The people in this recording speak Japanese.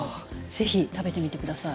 是非食べてみて下さい。